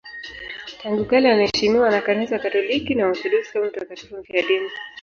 Tangu kale anaheshimiwa na Kanisa Katoliki na Waorthodoksi kama mtakatifu mfiadini.